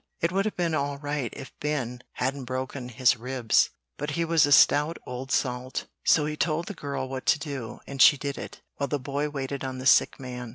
It would have been all right if Ben hadn't broken his ribs. But he was a stout old salt; so he told the girl what to do, and she did it, while the boy waited on the sick man.